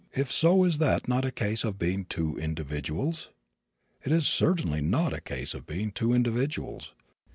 If so is that not a case of being two individuals?" It is certainly not a case of being two individuals.